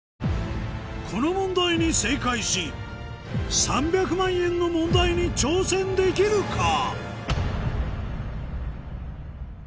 この問題に正解し３００万円の問題に挑戦できるか？